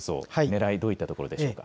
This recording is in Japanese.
ねらい、どういったところでしょ